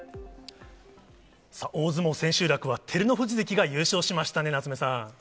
大相撲千秋楽は、照ノ富士関が優勝しましたね、夏目さん。